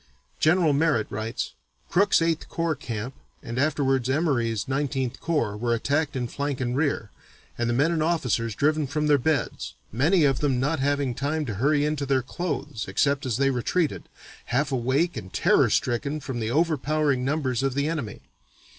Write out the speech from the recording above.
General Merritt writes: "Crook's (Eighth Corps) camp and afterwards Emory's (Nineteenth Corps) were attacked in flank and rear, and the men and officers driven from their beds, many of them not having time to hurry into their clothes, except as they retreated, half awake and terror stricken from the overpowering numbers of the enemy.